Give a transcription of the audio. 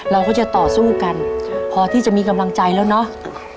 เราก็จะต่อสู้กันพอที่จะมีกำลังใจแล้วเนาะ